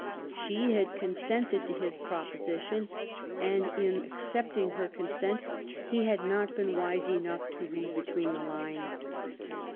She had consented to his proposition, and in accepting her consent he had not been wise enough to read between the lines.